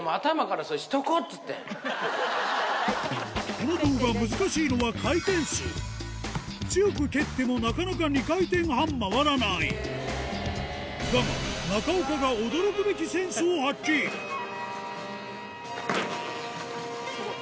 この動画難しいのは回転数強く蹴ってもなかなか２回転半回らないだが中岡があぁスゴい！